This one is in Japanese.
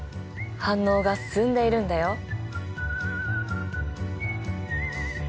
反応が進んでいるんだよ。